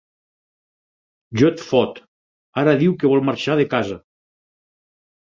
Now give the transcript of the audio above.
Jo et fot, ara diu que vol marxar de casa!